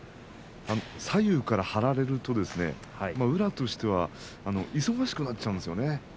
左右から張られると宇良としては忙しくなっちゃうんですよね。